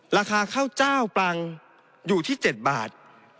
ราคาข้าวเจ้าปรังอยู่ที่๗บาท